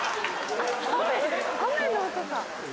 雨の音か。